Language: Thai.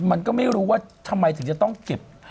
มันก็ไม่รู้ว่าทำไมถึงจะต้องเก็บ